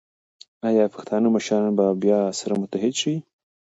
ایا پښتانه مشران به بیا سره متحد شي؟